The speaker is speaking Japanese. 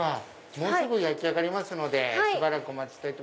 もうすぐ焼き上がりますのでしばらくお待ちいただいて。